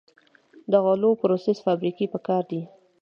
د غلو پروسس فابریکې پکار دي.